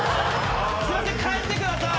すいません帰ってください。